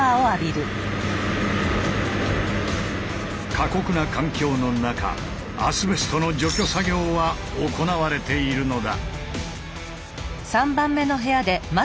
過酷な環境の中アスベストの除去作業は行われているのだ。